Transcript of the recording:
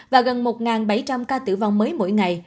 và gần một bảy trăm linh ca tử vong mới mỗi ngày